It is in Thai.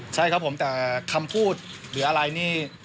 ใช่ครับผมแต่คำพูดหรืออะไรนี่